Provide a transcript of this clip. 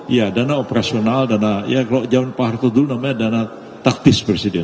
ya dana operasional dana ya kalau zaman pak harto dulu namanya dana taktis presiden